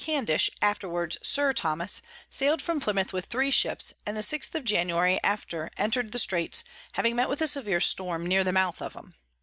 Candish_, afterwards Sir Thomas, sail'd from Plymouth with three Ships, and the 6_th_ of January after enter'd the Straits, having met with a severe Storm near the mouth of 'em.